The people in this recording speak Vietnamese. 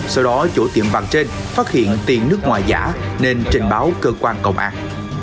sau đó chủ tiệm vàng trên phát hiện tiền nước ngoài giả nên trình báo cơ quan công an